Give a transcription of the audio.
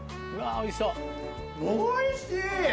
おいしい！